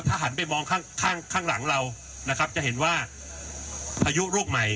ถ้าหันไปมองข้างข้างหลังเรานะครับจะเห็นว่าพายุลูกใหม่